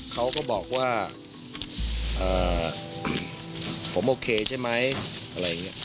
เขาก็บอกว่าผมโอเคใช่ไหมอะไรอย่างนี้